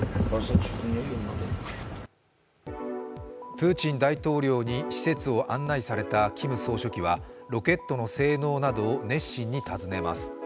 プーチン大統領に施設を案内されたキム総書記はロケットの性能などを熱心に尋ねます。